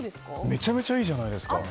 めちゃめちゃいいじゃないですか。